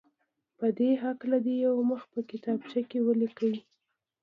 په دې هکله دې یو مخ په کتابچه کې ولیکي.